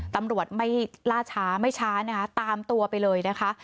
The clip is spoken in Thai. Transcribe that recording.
ตำรวจไม่ล่าช้าไม่ช้านะคะตามตัวไปเลยนะคะ